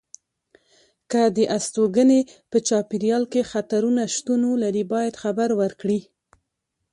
که د استوګنې په چاپېریال کې خطرونه شتون ولري باید خبر ورکړي.